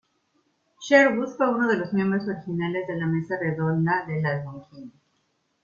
Sherwood fue uno de los miembros originales de la Mesa Redonda del Algonquin.